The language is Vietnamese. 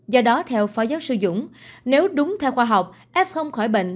do đó theo phó giáo sư dũng nếu đúng theo khoa học f không khỏi bệnh